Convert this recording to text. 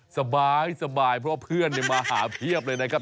สบายเพราะว่าเพื่อนมาหาเพียบเลยนะครับ